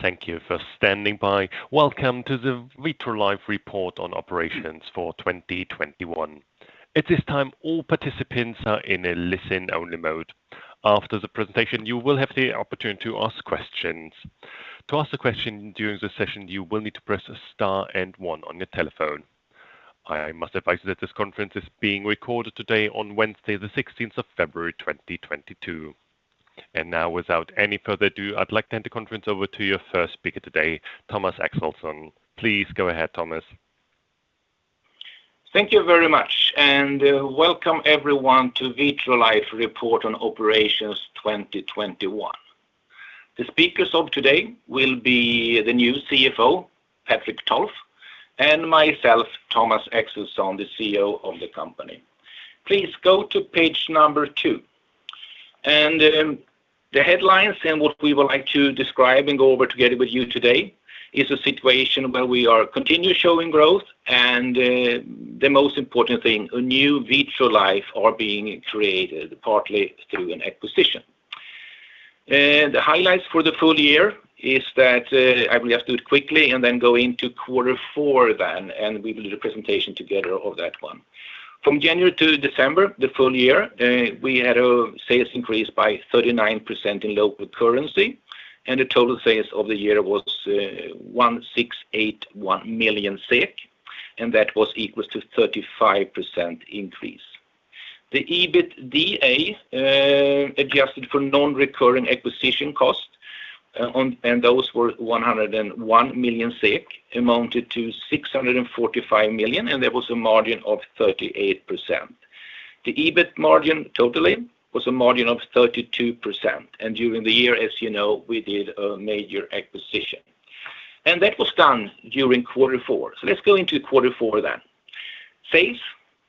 Thank you for standing by. Welcome to the Vitrolife report on operations for 2021. At this time, all participants are in a listen-only mode. After the presentation, you will have the opportunity to ask questions. To ask a question during the session, you will need to press star and one on your telephone. I must advise you that this conference is being recorded today on Wednesday, the February 16, 2022. Now, without any further ado, I'd like to hand the conference over to your first speaker today, Thomas Axelsson. Please go ahead, Thomas. Thank you very much, and welcome everyone to Vitrolife report on operations 2021. The speakers of today will be the new CFO, Patrik Tolf, and myself, Thomas Axelsson, the CEO of the company. Please go to page number two. The headlines and what we would like to describe and go over together with you today is a situation where we are continuing showing growth and, the most important thing, a new Vitrolife are being created partly through an acquisition. The highlights for the full year is that, I will just do it quickly and then go into quarter four then, and we will do the presentation together of that one. From January to December, the full year, we had our sales increased by 39% in local currency, and the total sales of the year was 1,681 million SEK and that was equal to 35% increase. The EBITDA adjusted for non-recurring acquisition costs, those were 101 million SEK, amounted to 645 million, and there was a margin of 38%. The EBIT margin totally was a margin of 32%. During the year, as you know, we did a major acquisition. That was done during quarter four. Let's go into quarter four then.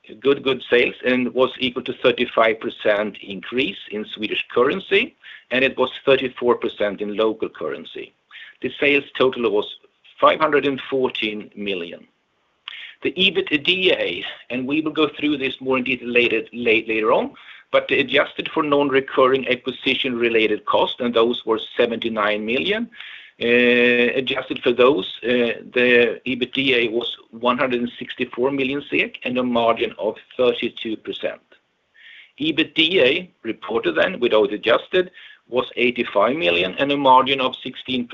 Sales, good sales, and was equal to 35% increase in Swedish currency, and it was 34% in local currency. The sales total was 514 million. The EBITDA, we will go through this more in detail later on, but adjusted for non-recurring acquisition-related costs, and those were 79 million, adjusted for those, the EBITDA was 164 million SEK and a margin of 32%. EBITDA reported then without adjusted was 85 million and a margin of 16%.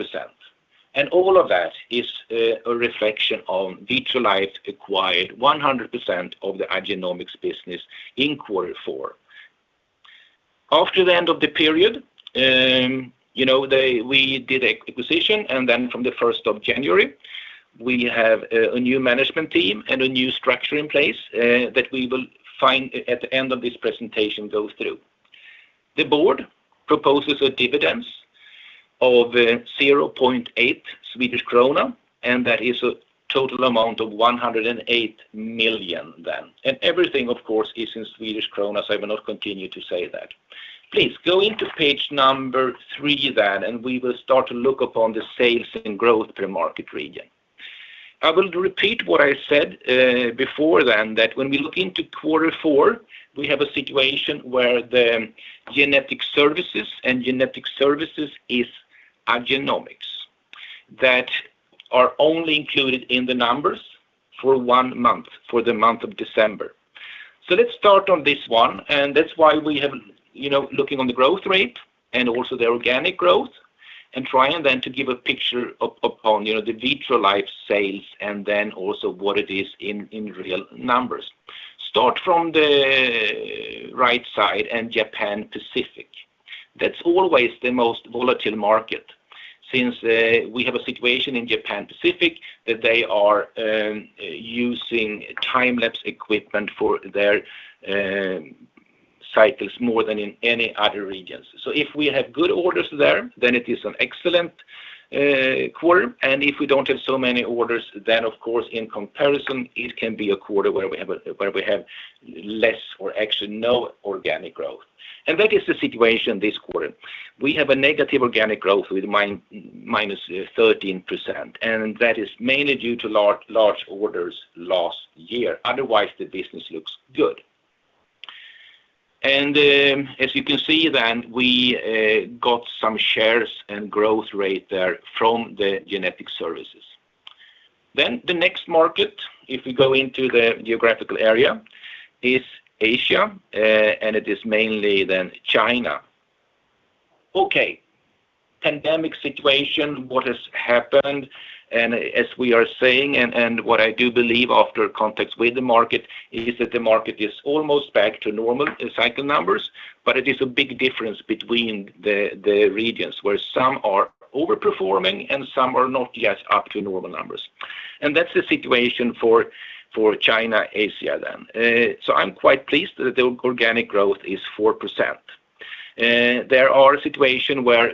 All of that is a reflection on Vitrolife acquired 100% of the Igenomix business in quarter four. After the end of the period, you know, we did acquisition, and then from the first of January, we have a new management team and a new structure in place, that we will go through at the end of this presentation go through. The board proposes a dividend of 0.8 Swedish krona, and that is a total amount of 108 million. Everything, of course, is in Swedish krona, so I will not continue to say that. Please go into page number three, and we will start to look upon the sales and growth per market region. I will repeat what I said before that when we look into quarter four, we have a situation where Genetic Services is Igenomix that are only included in the numbers for one month, for the month of December. Let's start on this one, and that's why we have, you know, looking on the growth rate and also the organic growth and trying then to give a picture upon, you know, the Vitrolife sales and then also what it is in real numbers. Start from the right side and Japan Pacific. That's always the most volatile market since we have a situation in Japan Pacific that they are using time-lapse equipment for their cycles more than in any other regions. If we have good orders there, then it is an excellent quarter, and if we don't have so many orders, then of course in comparison, it can be a quarter where we have less or actually no organic growth. That is the situation this quarter. We have a negative organic growth with -13%, and that is mainly due to large orders last year. Otherwise, the business looks good. As you can see, we got some shares and growth rate there from the Genetic Services. The next market, if we go into the geographical area, is Asia, and it is mainly then China. Okay. Pandemic situation, what has happened, and as we are saying, what I do believe after contacts with the market is that the market is almost back to normal cycle numbers, but it is a big difference between the regions where some are overperforming and some are not yet up to normal numbers. That's the situation for China, Asia then. I'm quite pleased that the organic growth is 4%. There are situations where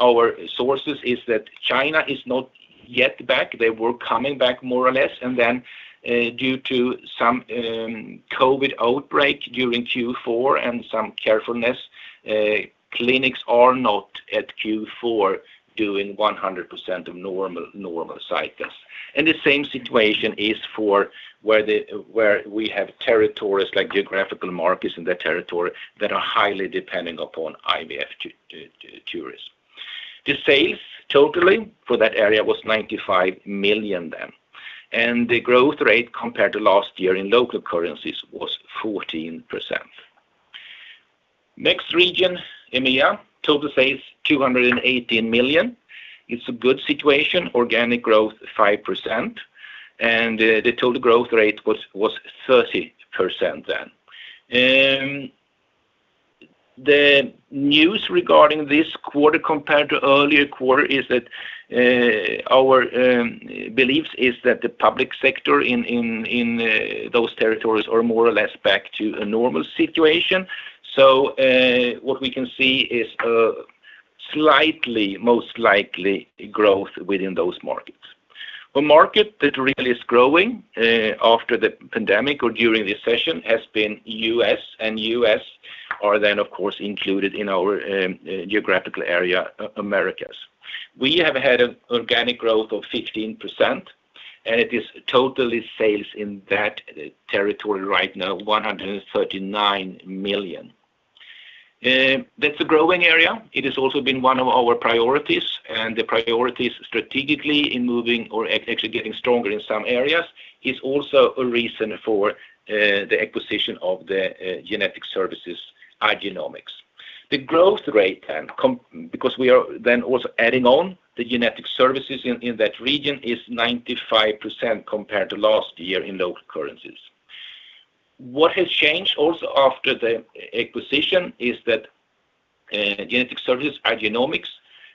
our sources is that China is not yet back. They were coming back more or less, and then due to some COVID outbreak during Q4 and some carefulness, clinics are not at Q4 doing 100% of normal cycles. The same situation is for where we have territories like geographical markets in the territory that are highly depending upon IVF tourism. Total sales for that area was 95 million then, and the growth rate compared to last year in local currencies was 14%. Next region, EMEA, total sales, 218 million. It's a good situation. Organic growth, 5%, and the total growth rate was 30% then. The news regarding this quarter compared to earlier quarter is that our belief is that the public sector in those territories are more or less back to a normal situation. What we can see is a slighty, most likely, growth within those markets. The market that really is growing after the pandemic or during the recession has been U.S., and U.S. are then of course included in our geographical area, Americas. We have had an organic growth of 15%, and it is total sales in that territory right now, 139 million. That's a growing area. It has also been one of our priorities, and the priorities strategically in moving or executing stronger in some areas is also a reason for the acquisition of the Genetic Services, Igenomix. The growth rate because we are then also adding on the Genetic Services in that region is 95% compared to last year in local currencies. What has changed also after the acquisition is that Genetic Services, Igenomix,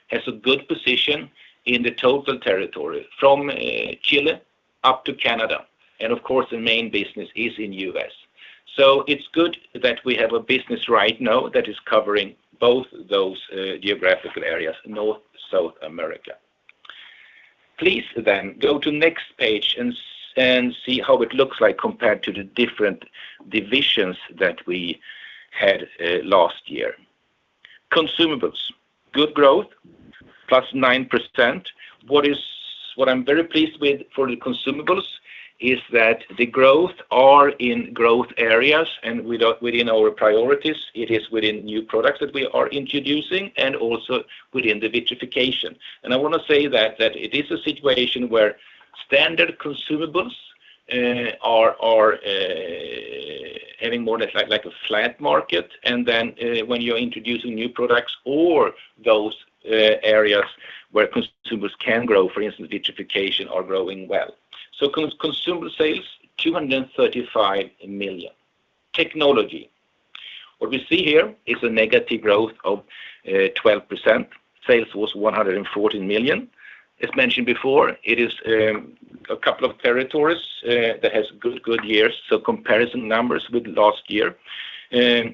has a good position in the total territory from Chile up to Canada, and of course, the main business is in U.S. It's good that we have a business right now that is covering both those geographical areas, North, South America. Please then go to next page and see how it looks like compared to the different divisions that we had last year. Consumables, good growth, +9%. What I'm very pleased with for the consumables is that the growth are in growth areas, and within our priorities, it is within new products that we are introducing and also within the vitrification. I wanna say that it is a situation where standard consumables are having more like a flat market. When you're introducing new products or those areas where consumables can grow, for instance, vitrification are growing well. Consumables sales, 235 million. Technologies, what we see here is a negative growth of 12%. Sales was 114 million. As mentioned before, it is a couple of territories that has good years. Comparison numbers with last year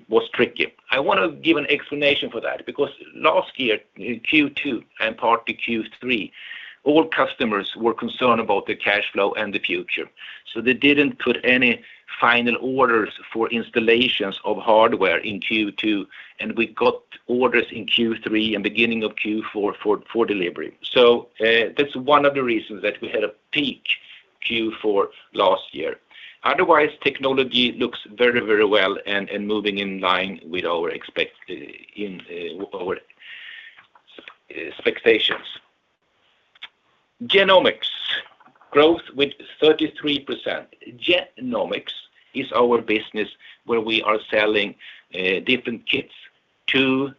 was tricky. I wanna give an explanation for that because last year in Q2 and part of Q3, all customers were concerned about the cash flow and the future. They didn't put any final orders for installations of hardware in Q2, and we got orders in Q3 and beginning of Q4 for delivery. That's one of the reasons that we had a peak Q4 last year. Otherwise, technology looks very, very well and moving in line with our expectations. Genomics, growth with 33%. Genomics is our business where we are selling different kits to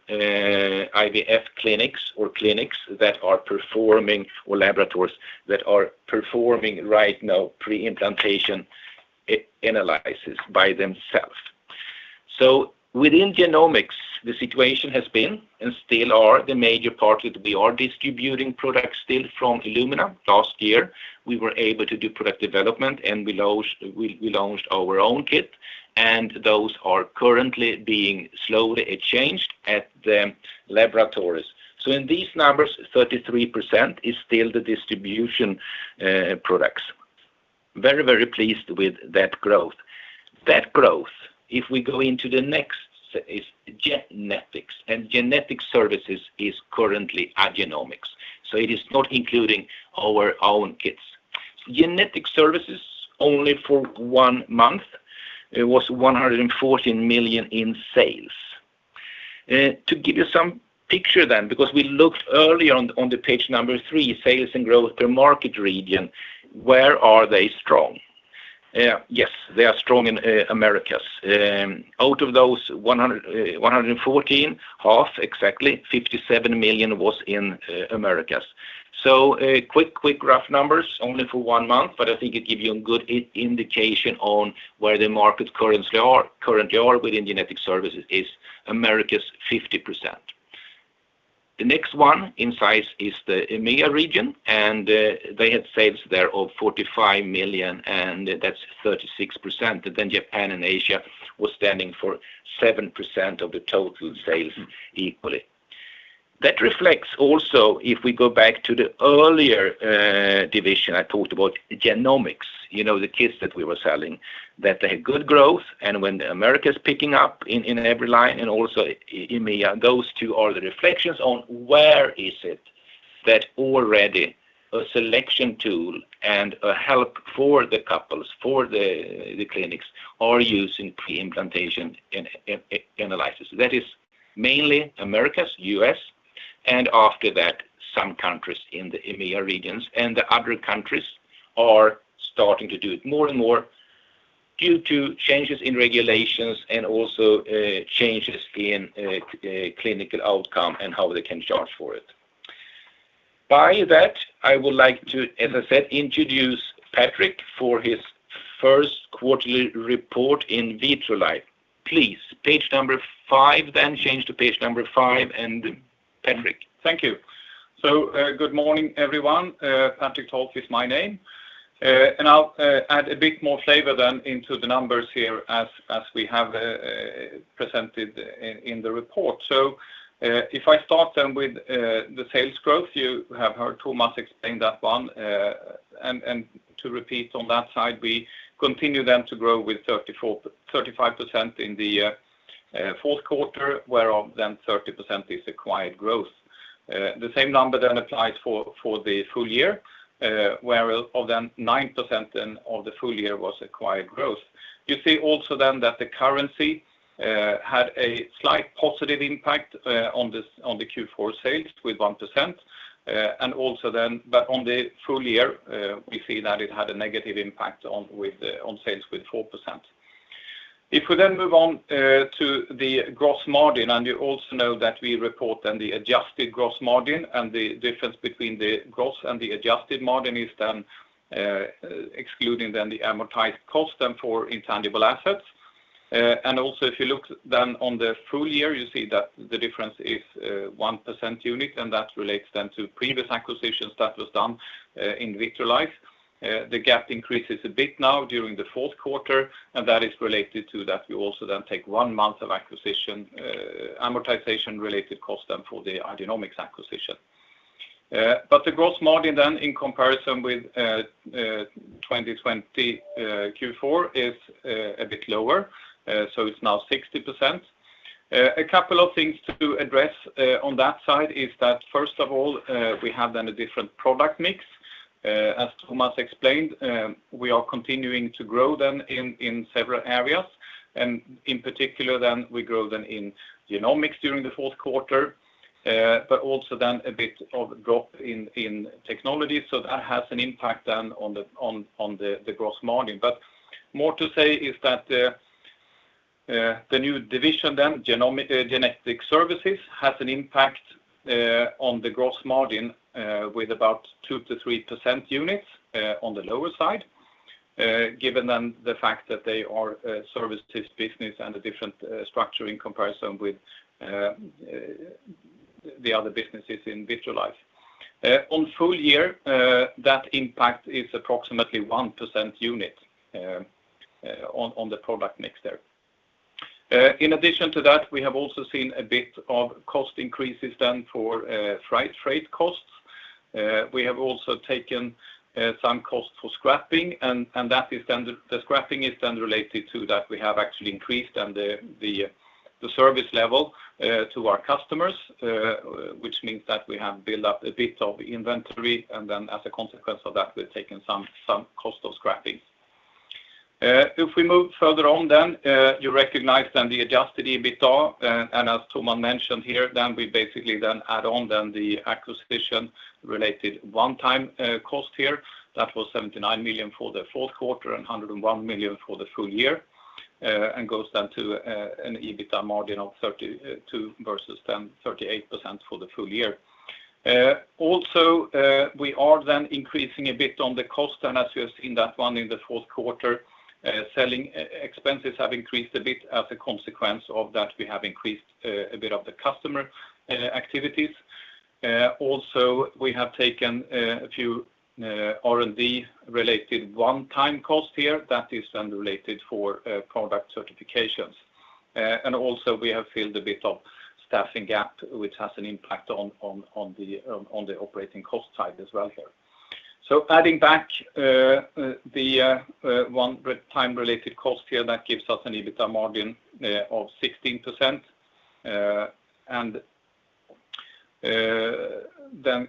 IVF clinics or clinics that are performing, or laboratories that are performing right now pre-implantation analysis by themselves. Within genomics, the situation has been, and still are, the major part that we are distributing products still from Illumina. Last year, we were able to do product development, and we launched our own kit, and those are currently being slowly changed at the laboratories. In these numbers, 33% is still the distribution products. Very, very pleased with that growth. That growth, if we go into the next, is Genomics, and Genetic Services is currently Igenomix. It is not including our own kits. Genetic Services only for one month, it was 114 million in sales. To give you some picture then, because we looked earlier on the page three, sales and growth per market region, where are they strong? Yes, they are strong in Americas. Out of those 114, half exactly, 57 million was in Americas. A quick rough numbers only for one month, but I think it give you a good indication on where the markets currently are within Genetic Services is Americas, 50%. The next one in size is the EMEA region, and they had sales there of 45 million, and that's 36%. Then Japan and Asia was standing for 7% of the total sales equally. That reflects also, if we go back to the earlier division, I talked about Genomics, you know, the kits that we were selling, that they had good growth. When the Americas picking up in every line and also EMEA, those two are the reflections on where it already a selection tool and a help for the couples, for the clinics are using pre-implantation analysis. That is mainly Americas, U.S., and after that, some countries in the EMEA regions, and the other countries are starting to do it more and more due to changes in regulations and also changes in clinical outcome and how they can charge for it. By that, I would like to, as I said, introduce Patrik for his first quarterly report in Vitrolife. Please, page number five, then change to page number five. Patrik. Thank you. Good morning, everyone. Patrik Tolf is my name. I'll add a bit more flavor into the numbers here as we have presented in the report. If I start with the sales growth, you have heard Thomas explain that one. To repeat on that side, we continue to grow with 35% in the fourth quarter, whereof 30% is acquired growth. The same number applies for the full year, whereof 9% of the full year was acquired growth. You see also that the currency had a slight positive impact on the Q4 sales with 1%. On the full year, we see that it had a negative impact on sales with 4%. If we move on to the gross margin, and you know that we report the adjusted gross margin, and the difference between the gross and the adjusted margin is excluding the amortized cost for intangible assets. If you look on the full year, you see that the difference is 1% unit, and that relates to previous acquisitions that was done in Vitrolife. The gap increases a bit now during the fourth quarter, and that is related to that we also take one month of acquisition amortization-related cost for the Igenomix acquisition. The gross margin then in comparison with 2020 Q4 is a bit lower, so it's now 60%. A couple of things to address on that side is that first of all, we have then a different product mix. As Thomas explained, we are continuing to grow then in several areas. In particular then, we grow then in Genomics during the fourth quarter, but also then a bit of drop in Technologies. That has an impact then on the gross margin. More to say is that the new division Genetic Services has an impact on the gross margin with about 2%-3% units on the lower side given the fact that they are a services business and a different structure in comparison with the other businesses in Vitrolife. On full year that impact is approximately 1% unit on the product mix there. In addition to that, we have also seen a bit of cost increases for freight costs. We have also taken some costs for scrapping, and that is the scrapping is related to that we have actually increased the service level to our customers, which means that we have built up a bit of inventory, and then as a consequence of that, we've taken some cost of scrapping. If we move further on, you recognize the adjusted EBITDA, and as Thomas mentioned here, we basically add on the acquisition-related one-time cost here. That was 79 million for the fourth quarter and 101 million for the full year, and goes down to an EBITDA margin of 32% versus 38% for the full year. We are then increasing a bit on the cost, and as you have seen that one in the fourth quarter, selling expenses have increased a bit. As a consequence of that, we have increased a bit of the customer activities. We have taken a few R&D-related one-time cost here that is then related for product certifications. Also, we have filled a bit of staffing gap, which has an impact on the operating cost side as well here. Adding back the one-time related cost here, that gives us an EBITDA margin of 16%.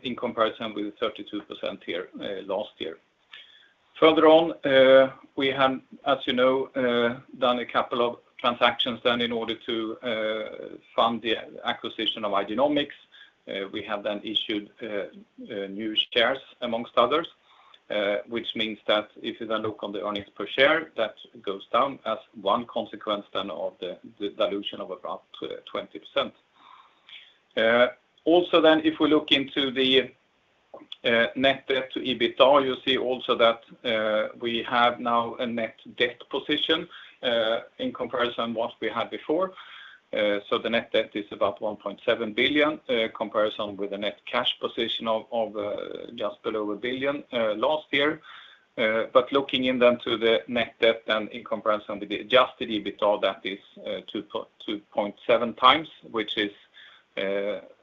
In comparison with the 32% here last year. Further on, we have, as you know, done a couple of transactions then in order to fund the acquisition of Igenomix. We have then issued new shares among others, which means that if you then look on the earnings per share, that goes down as one consequence then of the dilution of about 20%. Also, if we look into the net debt to EBITDA, you see also that we have now a net debt position in comparison what we had before. The net debt is about 1.7 billion in comparison with the net cash position of just below 1 billion last year. Looking into the net debt to the adjusted EBITDA, that is 2.7x, which is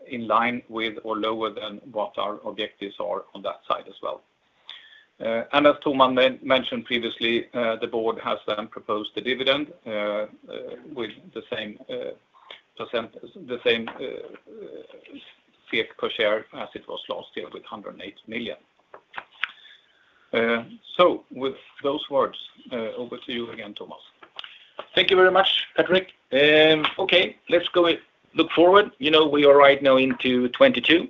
in line with or lower than what our objectives are on that side as well. As Thomas mentioned previously, the board has proposed the dividend with the same SEK 108 per share as it was last year with 108 million. With those words, over to you again, Thomas. Thank you very much, Patrik. Okay, let's go look forward. You know, we are right now into 2022,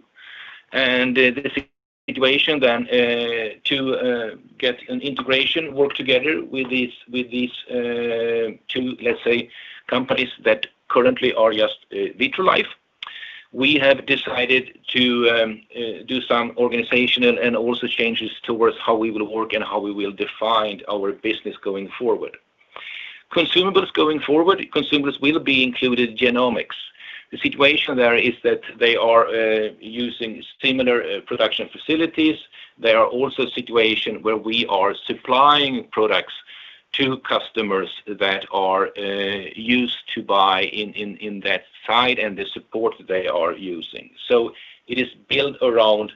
and the situation then to get an integration work together with these two, let's say, companies that currently are just Vitrolife. We have decided to do some organization and also changes towards how we will work and how we will define our business going forward. Consumables going forward, consumables will be included Genomics. The situation there is that they are using similar production facilities. There are also situation where we are supplying products to customers that are used to buy in that side and the support they are using. It is built around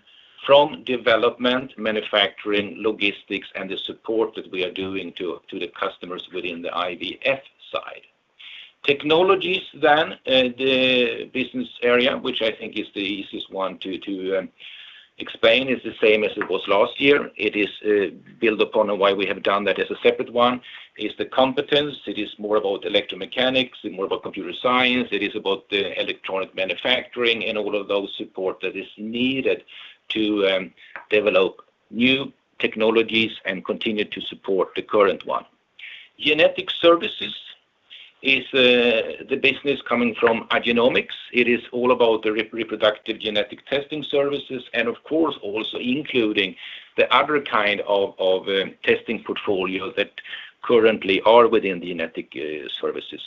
from development, manufacturing, logistics, and the support that we are doing to the customers within the IVF side. Technologies then the business area, which I think is the easiest one to explain, is the same as it was last year. It is built upon and why we have done that as a separate one is the competence. It is more about electromechanics, more about computer science. It is about the electronic manufacturing and all of those support that is needed to develop new technologies and continue to support the current one. Genetic Services is the business coming from Igenomix. It is all about the reproductive genetic testing services, and of course, also including the other kind of testing portfolio that currently are within the Genetic Services.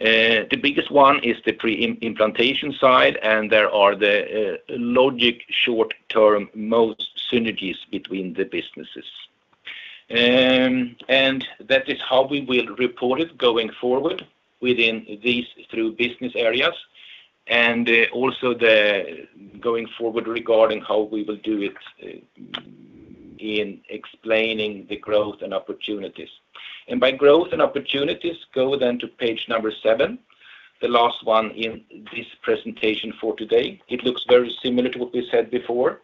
The biggest one is the pre-implantation side, and there are the logical short-term most synergies between the businesses. That is how we will report it going forward within these three business areas, and also going forward regarding how we will do it in explaining the growth and opportunities. By growth and opportunities, go then to page number seven, the last one in this presentation for today. It looks very similar to what we said before.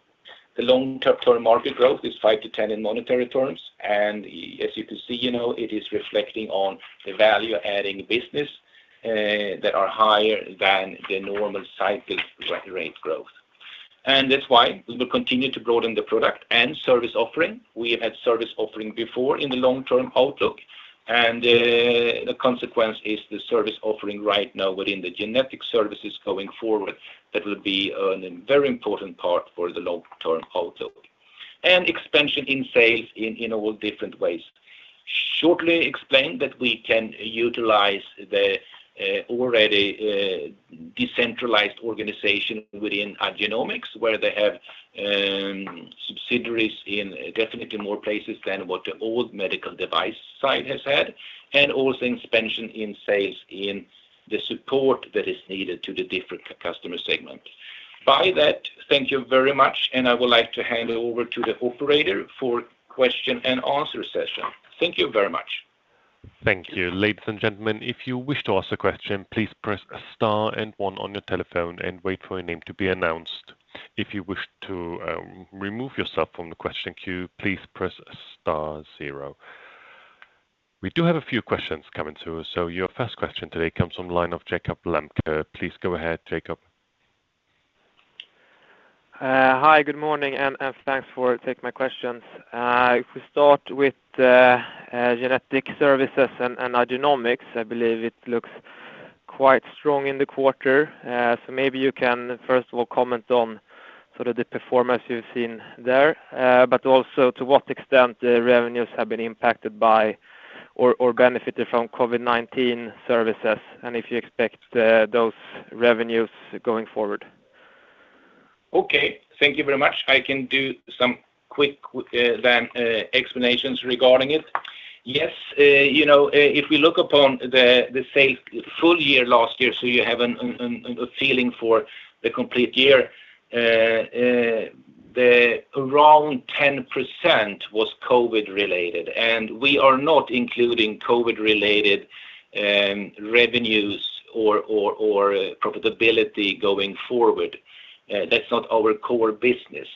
The long-term total market growth is 5%-10% in monetary terms. As you can see, you know, it is reflecting on the value-adding business that are higher than the normal cyclic rate growth. That's why we will continue to broaden the product and service offering. We have had service offering before in the long-term outlook, and the consequence is the service offering right now within the Genetic Services going forward. That will be a very important part for the long-term outlook. Expansion in sales in all different ways. Shortly explained that we can utilize the already decentralized organization within Igenomix, where they have subsidiaries in definitely more places than what the old medical device side has had, and also expansion in sales in the support that is needed to the different customer segments. By that, thank you very much, and I would like to hand over to the operator for question and answer session. Thank you very much. Thank you. Ladies and gentlemen, if you wish to ask a question, please press star and one on your telephone and wait for your name to be announced. If you wish to remove yourself from the question queue, please press star zero. We do have a few questions coming through. Your first question today comes from the line of Jacob Lemke. Please go ahead, Jacob. Hi, good morning, and thanks for taking my questions. If we start with Genetic Services and Igenomix, I believe it looks quite strong in the quarter. So maybe you can first of all comment on sort of the performance you've seen there, but also to what extent the revenues have been impacted by or benefited from COVID-19 services, and if you expect those revenues going forward. Okay, thank you very much. I can do some quick explanations regarding it. Yes, you know, if we look upon the full year last year, so you have a feeling for the complete year, around 10% was COVID-related, and we are not including COVID-related revenues or profitability going forward. That's not our core business.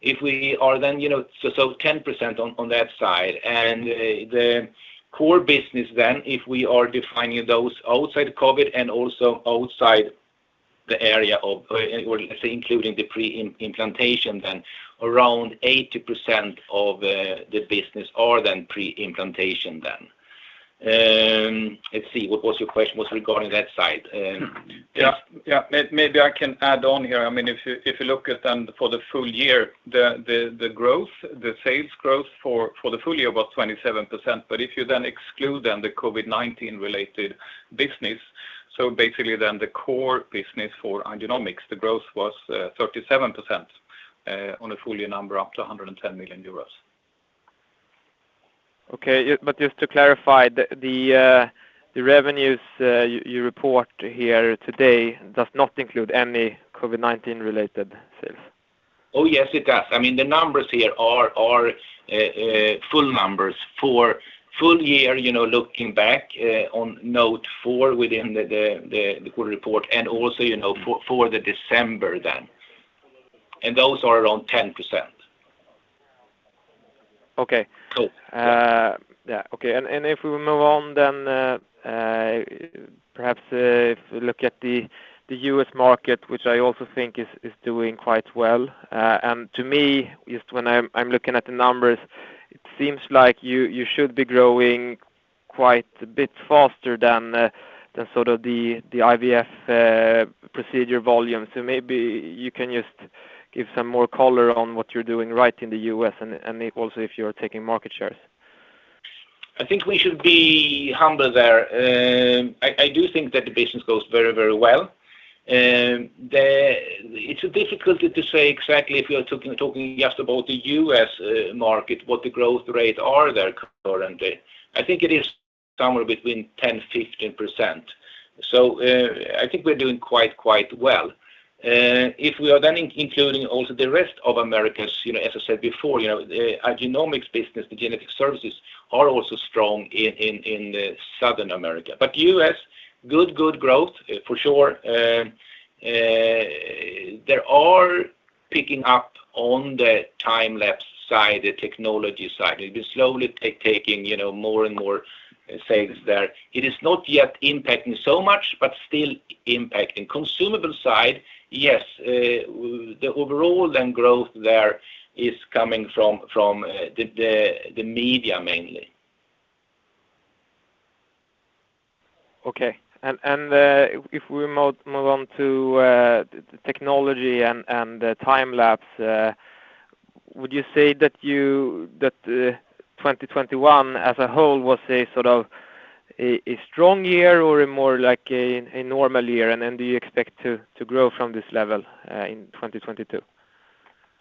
If we are then, you know, so 10% on that side, and the core business then, if we are defining those outside COVID and also outside the area of, or say including the pre-implantation then around 80% of the business are then pre-implantation then. Let's see, what was your question regarding that side? Yeah. Maybe I can add on here. I mean, if you look at then for the full year, the growth, the sales growth for the full year was 27%. If you then exclude the COVID-19 related business, so basically the core business for Igenomix, the growth was 37% on a full year number up to 110 million euros. Okay. Just to clarify, the revenues you report here today does not include any COVID-19 related sales? Oh, yes, it does. I mean, the numbers here are full numbers for full year, you know, looking back on note four within the quarter report and also, you know, for the December then. Those are around 10%. Okay. Yeah. Yeah. Okay. If we move on then, perhaps if we look at the U.S. market, which I also think is doing quite well. To me, just when I'm looking at the numbers, it seems like you should be growing quite a bit faster than sort of the IVF procedure volume. Maybe you can just give some more color on what you're doing right in the U.S. and also if you're taking market shares. I think we should be humble there. I do think that the business goes very, very well. It's difficult to say exactly if we are talking just about the U.S. market, what the growth rate are there currently. I think it is somewhere between 10%-15%. I think we're doing quite well. If we are then including also the rest of Americas, you know, as I said before, you know, the Igenomix business, the Genetic Services are also strong in Southern America. U.S., good growth, for sure. They are picking up on the time-lapse side, the technology side. It is slowly taking, you know, more and more sales there. It is not yet impacting so much, but still impacting. Consumables side, yes, the overall growth there is coming from the media mainly. Okay, if we move on to the technology and the time-lapse, would you say that 2021 as a whole was a sort of a strong year or a more like a normal year? Do you expect to grow from this level in 2022?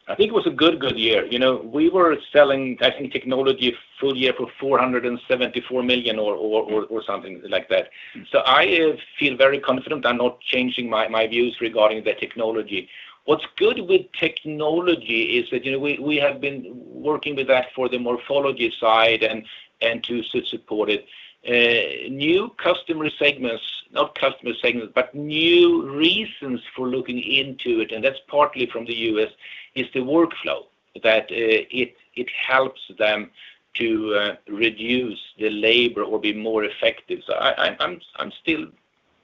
I think it was a good year. You know, we were selling, I think, technology full year for 474 million or something like that. I feel very confident. I'm not changing my views regarding the technology. What's good with technology is that, you know, we have been working with that for the morphology side and to support it. New customer segments, not customer segments, but new reasons for looking into it, and that's partly from the U.S., is the workflow, that it helps them to reduce the labor or be more effective. I'm still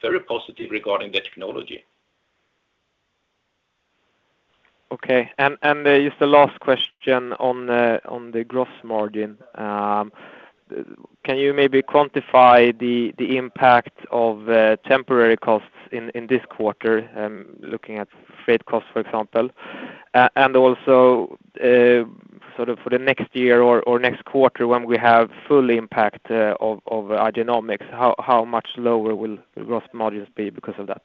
very positive regarding the technology. Okay. Just a last question on the gross margin. Can you maybe quantify the impact of temporary costs in this quarter, looking at freight costs, for example? Sort of for the next year or next quarter when we have full impact of Igenomix, how much lower will the gross margins be because of that?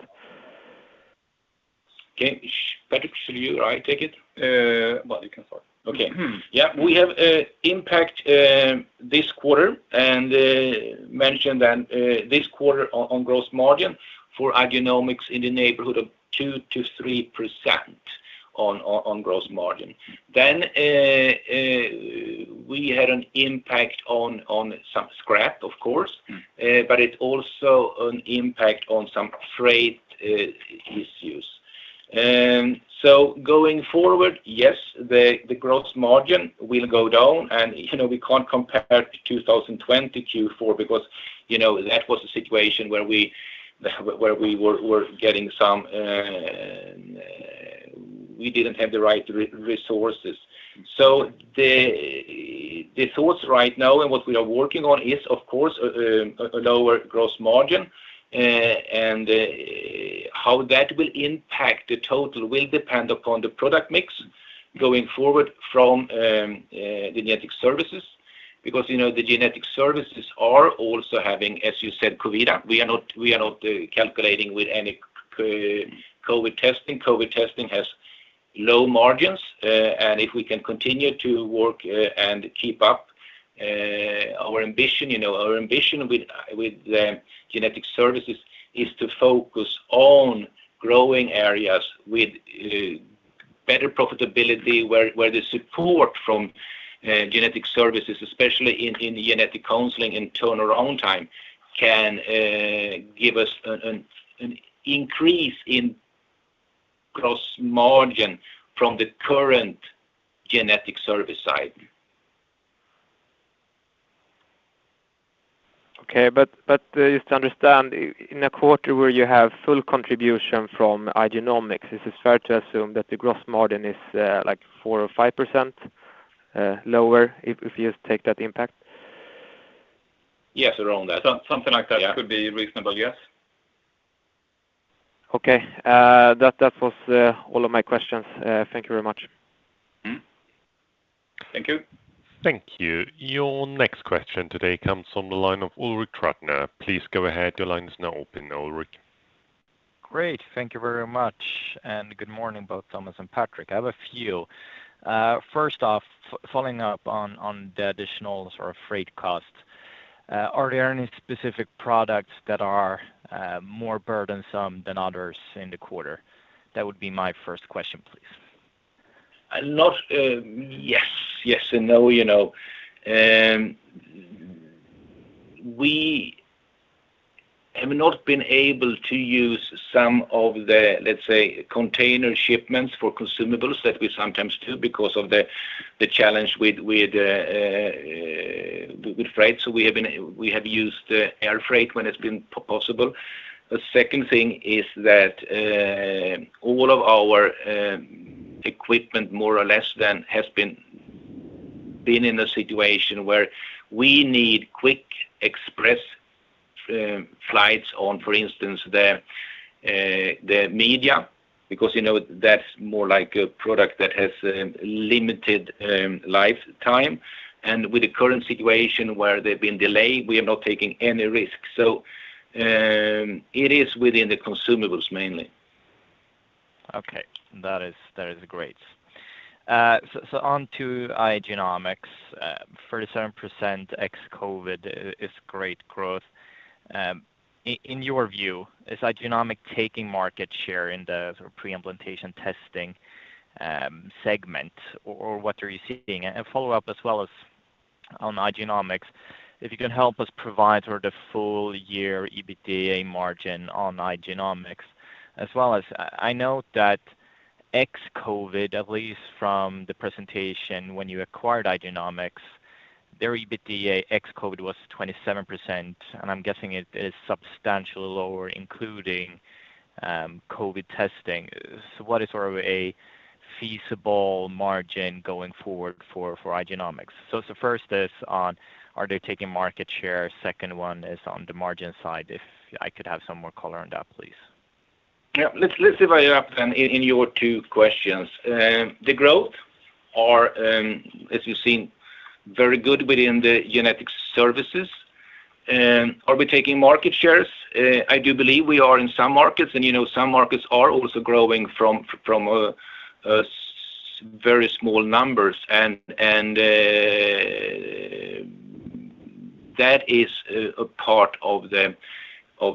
Okay. Patrick, should you or I take it? Well, you can start. Okay. Mm-hmm. Yeah. We have impact this quarter and mentioned then this quarter on gross margin for Igenomix in the neighborhood of 2%-3% on gross margin. We had an impact on some scrap, of course, but it also an impact on some freight issues. Going forward, yes, the gross margin will go down. You know, we can't compare to 2020 Q4 because, you know, that was a situation where we didn't have the right resources. The thoughts right now and what we are working on is, of course, a lower gross margin. How that will impact the total will depend upon the product mix going forward from the Genetic Services. Because, you know, the Genetic Services are also having, as you said, COVID. We are not calculating with any COVID testing. COVID testing has low margins. If we can continue to work and keep up our ambition, you know, our ambition with the Genetic Services is to focus on growing areas with better profitability, where the support from Genetic Services, especially in the genetic counseling and turnaround time, can give us an increase in gross margin from the current Genetic Services side. Okay. Just to understand, in a quarter where you have full contribution from Igenomix, is it fair to assume that the gross margin is like 4% or 5% lower if you take that impact? Yes, around that. Something like that. Yeah Could be reasonable, yes. Okay. That was all of my questions. Thank you very much. Thank you. Thank you. Your next question today comes from the line of Ulrik Trattner. Please go ahead. Your line is now open, Ulrik. Great. Thank you very much, and good morning both Thomas and Patrik. I have a few. First off, following up on the additional sort of freight costs. Are there any specific products that are more burdensome than others in the quarter? That would be my first question, please. No, yes. Yes and no, you know. We have not been able to use some of the, let's say, container shipments for consumables that we sometimes do because of the challenge with freight. We have used air freight when it's been possible. The second thing is that all of our equipment more or less has been in a situation where we need quick express flights on, for instance, the media, because, you know, that's more like a product that has limited lifetime. With the current situation where they've been delayed, we are not taking any risks. It is within the consumables mainly. Okay. That is great. So on to Igenomix, for the 7% ex-COVID is great growth. In your view, is Igenomix taking market share in the sort of pre-implantation testing segment or what are you seeing? Follow up as well as on Igenomix, if you can help us provide sort of full year EBITDA margin on Igenomix as well as I know that ex-COVID, at least from the presentation when you acquired Igenomix, their EBITDA ex-COVID was 27%, and I'm guessing it is substantially lower, including COVID testing. What is sort of a feasible margin going forward for Igenomix? First, are they taking market share? Second one is on the margin side, if I could have some more color on that, please. Yeah. Let's divide it up then in your two questions. The growth are, as you've seen, very good within the Genetic Services. Are we taking market shares? I do believe we are in some markets, and you know, some markets are also growing from a very small numbers and that is a part of the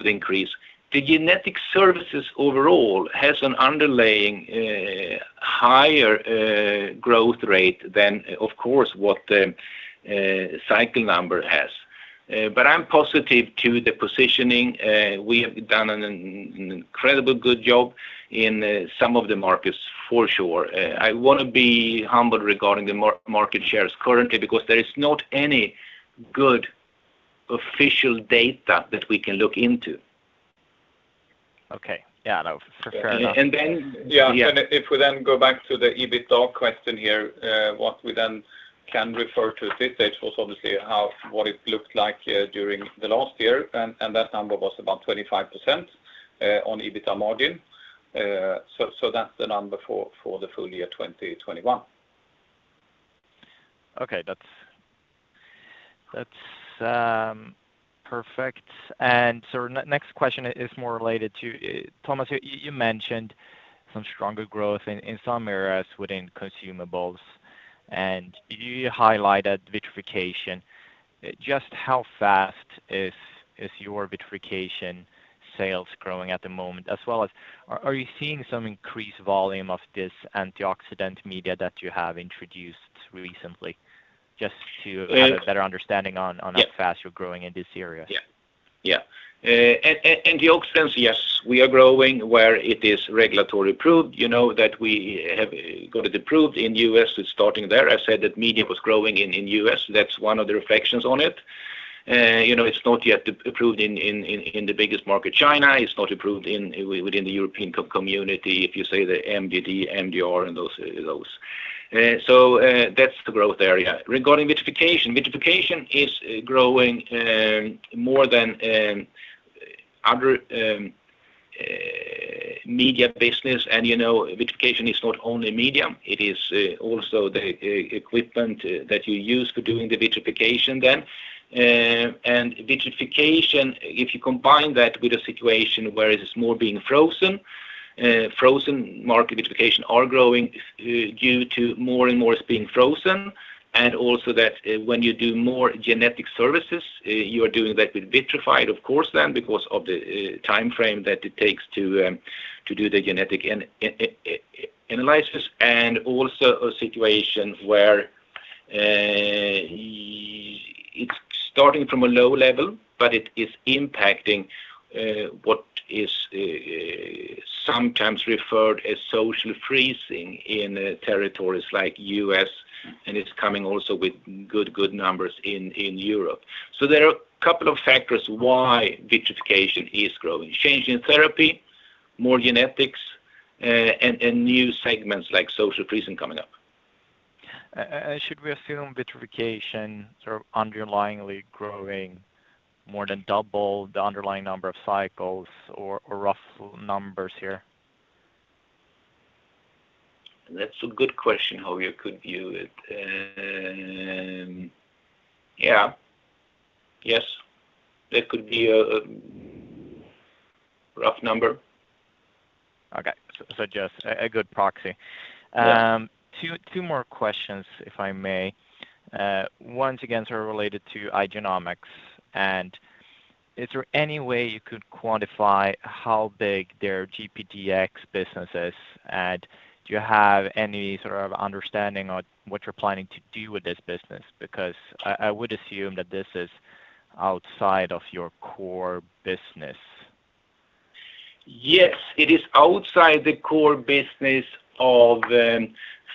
increase. The Genetic Services overall has an underlying higher growth rate than of course what the cycle number has. But I'm positive to the positioning. We have done an incredible good job in some of the markets for sure. I wanna be humble regarding the market shares currently because there is not any good official data that we can look into. Okay. Yeah, no, fair enough. And then. Yeah. Yeah. If we then go back to the EBITDA question here, what we then can refer to at this stage was obviously what it looked like during the last year, and that number was about 25% on EBITDA margin. That's the number for the full year 2021. Okay. That's perfect. Next question is more related to Thomas. You mentioned some stronger growth in some areas within consumables. You highlighted vitrification. Just how fast is your vitrification sales growing at the moment? As well as are you seeing some increased volume of this Gx Media that you have introduced recently? Just to. Uh- have a better understanding on how Yeah Fast, you're growing in this area. Yeah. Yeah. Antioxidants, yes. We are growing where it is regulatory approved, you know, that we have got it approved in U.S., so starting there. I said that media was growing in U.S. That's one of the reflections on it. You know, it's not yet approved in the biggest market, China. It's not approved within the European community. If you say the MDD, MDR and those. So that's the growth area. Regarding vitrification is growing more than other media business. You know, vitrification is not only media, it is also the equipment that you use for doing the vitrification then. Vitrification, if you combine that with a situation where it is more being frozen market vitrification are growing due to more and more is being frozen. When you do more Genetic Services, you are doing that with vitrification, of course, then because of the timeframe that it takes to do the genetic analysis, and also a situation where it's starting from a low level, but it is impacting what is sometimes referred as social freezing in territories like U.S., and it's coming also with good numbers in Europe. There are a couple of factors why vitrification is growing. Change in therapy, more genetics, and new segments like social freezing coming up. Should we assume vitrification sort of underlyingly growing more than double the underlying number of cycles or rough numbers here? That's a good question how you could view it. Yeah. Yes. That could be a rough number. Okay. Just a good proxy. Yeah. Two more questions, if I may. One again sort of related to Igenomix. Is there any way you could quantify how big their GPDx business is? Do you have any sort of understanding on what you're planning to do with this business? Because I would assume that this is outside of your core business. Yes. It is outside the core business of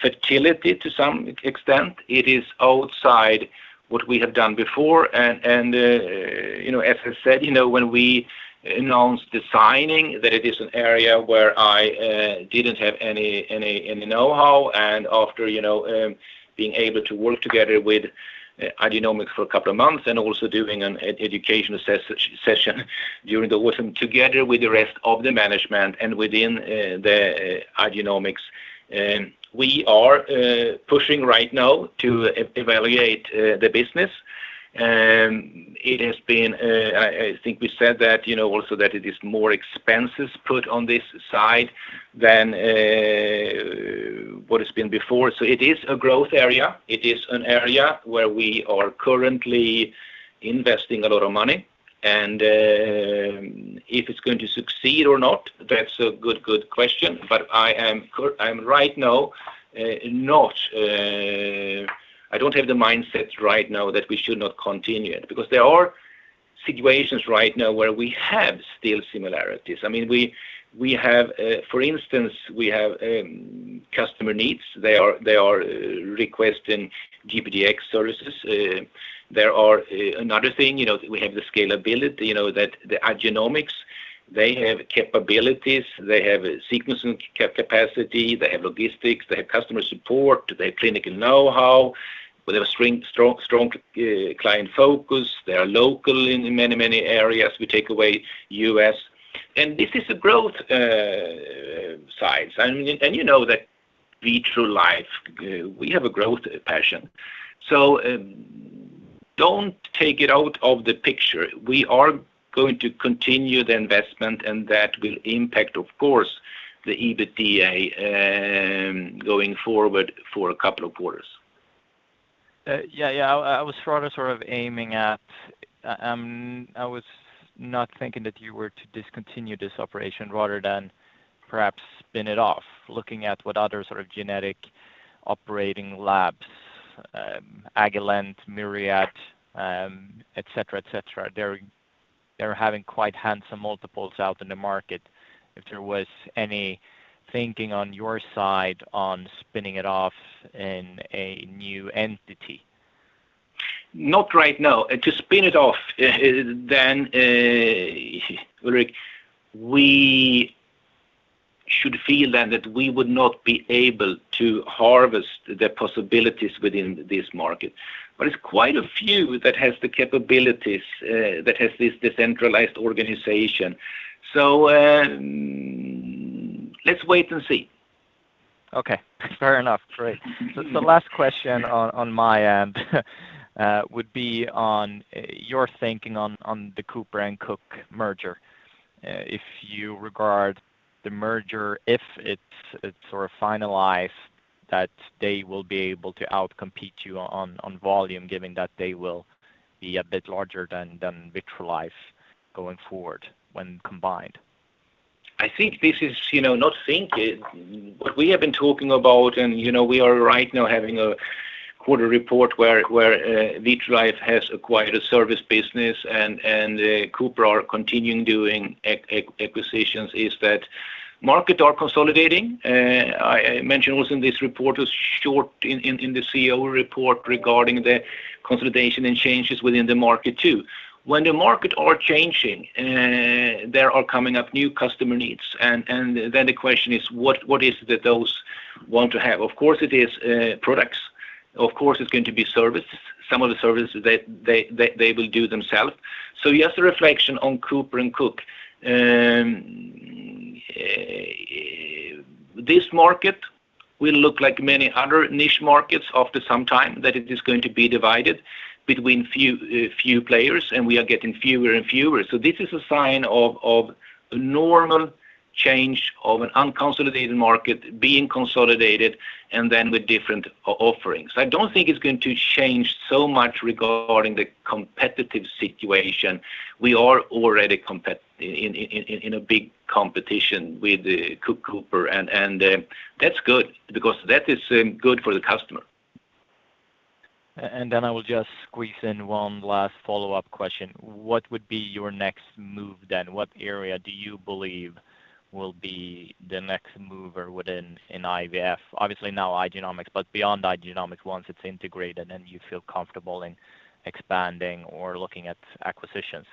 fertility to some extent. It is outside what we have done before. You know, as I said, you know, when we announced the signing that it is an area where I didn't have any know-how. After you know being able to work together with Igenomix for a couple of months and also doing an education assessment during the autumn together with the rest of the management and within the Igenomix, we are pushing right now to evaluate the business. It has been I think we said that you know also that it is more expenses put on this side than what has been before. It is a growth area. It is an area where we are currently investing a lot of money, and if it's going to succeed or not, that's a good question. But I am, I'm right now not, I don't have the mindset right now that we should not continue it, because there are situations right now where we have still similarities. I mean, we have, for instance, we have customer needs. They are requesting GPDx services. There are another thing, you know, we have the scalability, you know, that the Igenomix, they have capabilities. They have a sequencing capacity. They have logistics. They have customer support. They have clinical know-how with a strong client focus. They are local in many areas. We take away U.S.. This is a growth size. You know that Vitrolife, we have a growth passion. Don't take it out of the picture. We are going to continue the investment, and that will impact, of course, the EBITDA, going forward for a couple of quarters. I was rather sort of aiming at, I was not thinking that you were to discontinue this operation rather than perhaps spin it off, looking at what others are of genetic operating labs, Agilent, Myriad, et cetera, et cetera. They're having quite handsome multiples out in the market. If there was any thinking on your side on spinning it off in a new entity. Not right now. To spin it off is then, Ulrik, we should feel then that we would not be able to harvest the possibilities within this market. It's quite a few that has the capabilities that has this decentralized organization. Let's wait and see. Okay. Fair enough. Great. The last question on my end would be on your thinking on the Cooper & Cook merger. If you regard the merger, if it's sort of finalized, that they will be able to out-compete you on volume, given that they will be a bit larger than Vitrolife going forward when combined. I think this is, you know, worth thinking what we have been talking about and, you know, we are right now having a quarterly report where Vitrolife has acquired a service business and Cooper is continuing doing acquisitions, is that markets are consolidating. I mentioned also in this report was short in the CEO report regarding the consolidation and changes within the market too. When the market are changing, there are coming up new customer needs, and then the question is, what is that those want to have. Of course, it is products. Of course, it's going to be service. Some of the services they will do themselves. Just a reflection on Cooper & Cook. This market will look like many other niche markets after some time, that it is going to be divided between few players, and we are getting fewer and fewer. This is a sign of normal change of an unconsolidated market being consolidated and then with different offerings. I don't think it's going to change so much regarding the competitive situation. We are already in a big competition with Cooper, and that's good because that is good for the customer. I will just squeeze in one last follow-up question. What would be your next move then? What area do you believe will be the next mover within IVF? Obviously now Igenomix, but beyond Igenomix, once it's integrated and you feel comfortable in expanding or looking at acquisitions.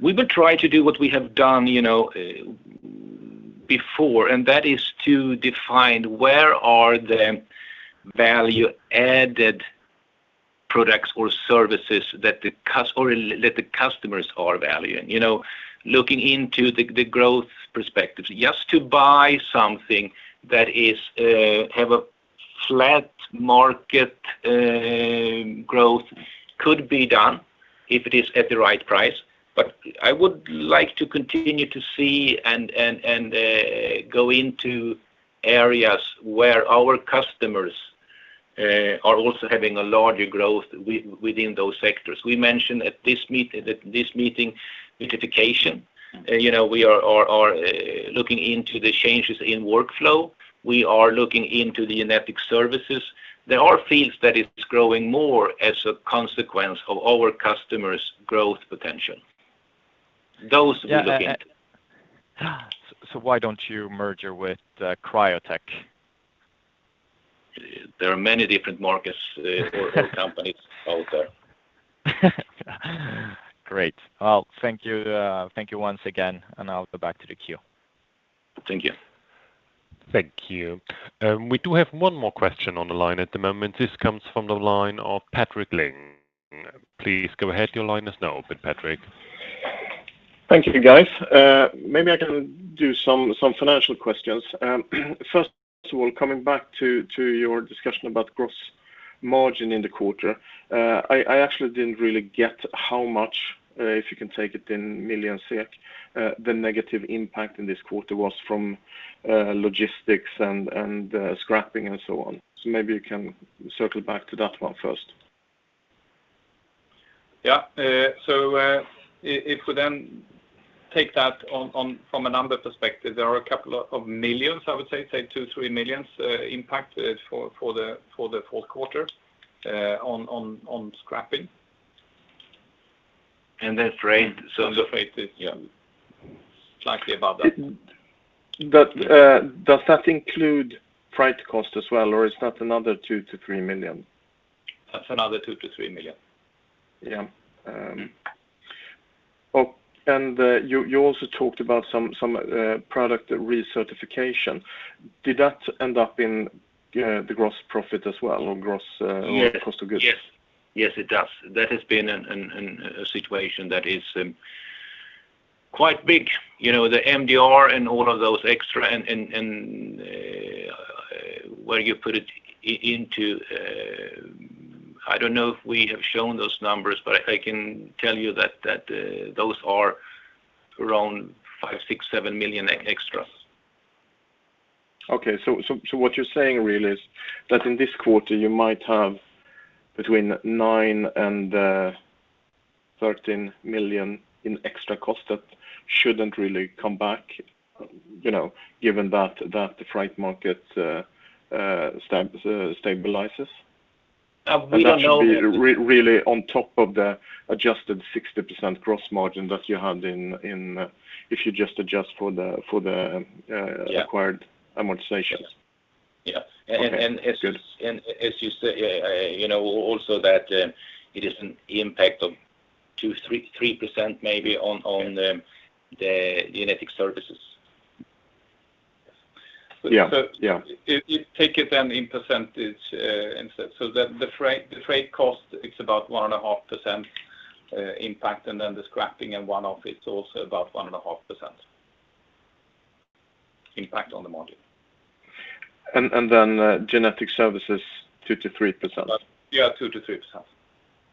We will try to do what we have done, you know, before, and that is to define where are the value-added products or services that the customers are valuing. You know, looking into the growth perspectives. Just to buy something that has a flat market growth could be done if it is at the right price, but I would like to continue to see and go into areas where our customers are also having a larger growth within those sectors. We mentioned at this meeting certification. You know, we are looking into the changes in workflow. We are looking into the Genetic Services. There are fields that are growing more as a consequence of our customers' growth potential. Those we are looking at. Yeah. Why don't you merge with Cryotech? There are many different markets, or companies out there. Great. Well, thank you once again, and I'll go back to the queue. Thank you. Thank you. We do have one more question on the line at the moment. This comes from the line of Patrick Ling. Please go ahead. Your line is now open, Patrick. Thank you, guys. Maybe I can do some financial questions. First of all, coming back to your discussion about gross margin in the quarter, I actually didn't really get how much, if you can take it in millions SEK, the negative impact in this quarter was from logistics and scrapping and so on. Maybe you can circle back to that one first. If we then take that on from a number perspective, there are a couple of million SEK. I would say 2 million- 3 million impact for the fourth quarter on scrapping. And then freight, so. The freight, yeah. Slightly above that. Does that include freight cost as well, or is that another 2 million-3 million? That's another 2 million-3 million. Yeah, you also talked about some product recertification. Did that end up in the gross profit as well, or gross Yes Cost of goods? Yes. Yes, it does. That has been a situation that is quite big. You know, the MDR and all of those extra and where you put it into. I don't know if we have shown those numbers, but I can tell you that those are around 5 million-7 million extra. Okay. What you're saying really is that in this quarter you might have between 9 million and 13 million in extra cost that shouldn't really come back, you know, given that the freight market stabilizes? We don't know. That should be really on top of the adjusted 60% gross margin that you had if you just adjust for the. Yeah Required amortization. Yeah. Okay, good. As you say, you know, also that it is an impact of 2%-3% maybe on the Genetic Services. Yeah. Yeah. If we take it then in percentage instead, the freight cost is about 1.5% impact, and then the scrapping and one-off is also about 1.5% impact on the margin. Genetic Services, 2%-3%. Yeah, 2%-3%.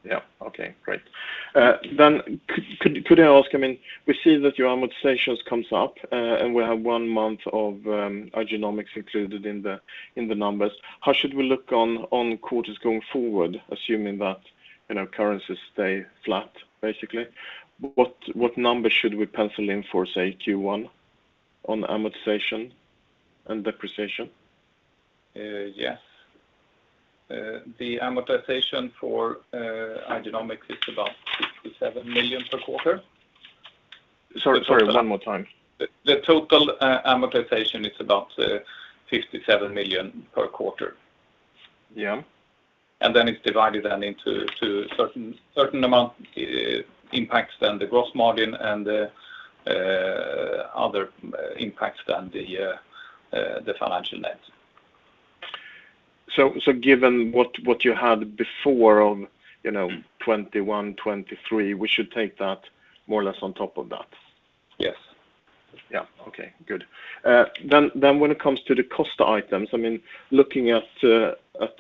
Yeah. Okay. Great. Could I ask, I mean, we see that your amortizations comes up, and we have one month of Igenomix included in the numbers. How should we look on quarters going forward, assuming that, you know, currencies stay flat, basically? What number should we pencil in for, say, Q1 on amortization and depreciation? Yes. The amortization for Igenomix is about 67 million per quarter. Sorry, one more time. The total amortization is about 57 million per quarter. Yeah. It's divided into certain amount impacts to the gross margin and the other impacts to the financial net. Given what you had before on, you know, 2021, 2023, we should take that more or less on top of that? Yes. Yeah. Okay, good. When it comes to the cost items, I mean, looking at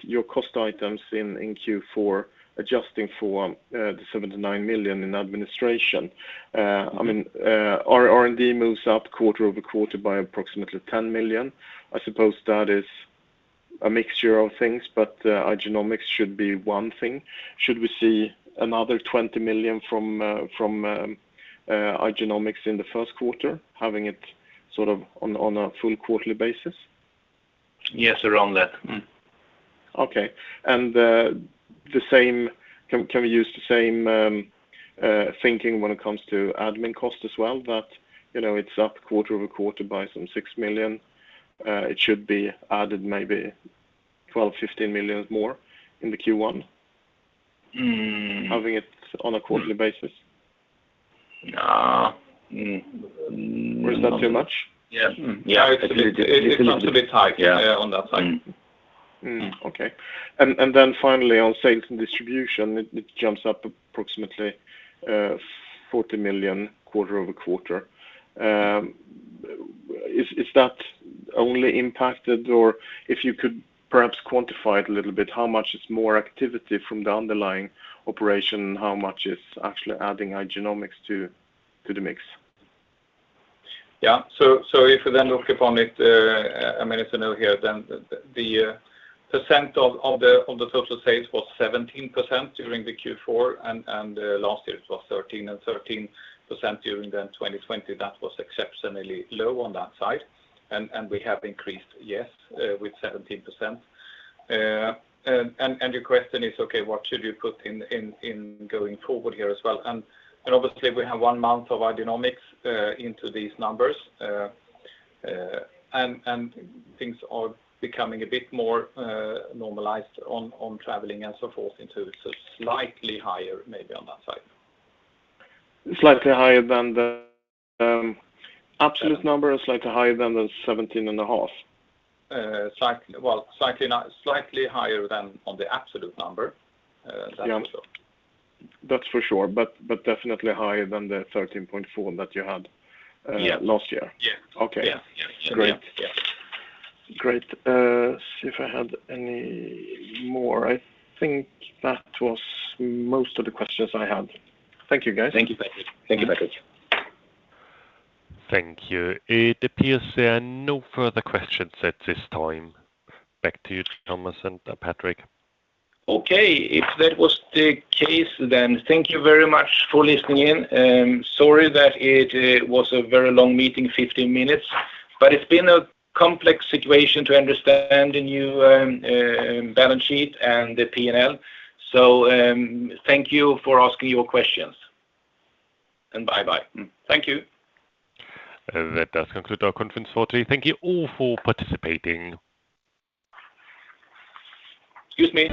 your cost items in Q4, adjusting for the 7 million-9 million in administration, I mean, R&D moves up quarter-over-quarter by approximately 10 million. I suppose that is a mixture of things, but Igenomix should be one thing. Should we see another 20 million from Igenomix in the first quarter, having it sort of on a full quarterly basis? Yes, around that. Mm-hmm. Okay. Can we use the same thinking when it comes to admin cost as well? You know, it's up quarter-over-quarter by some 6 million. It should be added maybe 12 million-15 million more in the Q1? Mm. Having it on a quarterly basis? Nah. Is that too much? Yeah. It's a little bit tight on that side. Mm-hmm. Then finally on sales and distribution, it jumps up approximately SEK 40 million quarter-over-quarter. Is that only impacted or if you could perhaps quantify it a little bit, how much is more activity from the underlying operation? How much is actually adding Igenomix to the mix? If you look upon it a minute ago here, the percent of the total sales was 17% during the Q4, and last year it was 13% and 13% during 2020. That was exceptionally low on that side. We have increased with 17%. Your question is, okay, what should you put in going forward here as well? Obviously, we have one month of Igenomix into these numbers. Things are becoming a bit more normalized on traveling and so forth into so slightly higher maybe on that side. Slightly higher than the absolute number, slightly higher than the 17.5? Slightly higher than on the absolute number. Yeah. That's for sure. That's for sure. Definitely higher than the 13.4 that you had. Yeah. last year. Yeah. Okay. Yeah. Great. Yeah. Great. See if I had any more. I think that was most of the questions I had. Thank you, guys. Thank you. Thank you. Thank you, Patrick. Thank you. It appears there are no further questions at this time. Back to you, Thomas and Patrik. Okay. If that was the case, then thank you very much for listening in. Sorry that it was a very long meeting, 15 minutes, but it's been a complex situation to understand the new balance sheet and the P&L. Thank you for asking your questions. Bye-bye. Thank you. That does conclude our conference call today. Thank you all for participating. Excuse me.